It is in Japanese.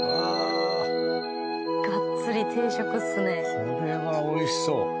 これは美味しそう。